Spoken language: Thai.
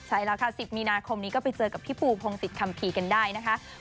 ใช่แล้วค่ะ๑๐มีนาคมนี้ก็ไปเจอกับพี่ปูพงศิษยคัมภีร์กันได้นะคะ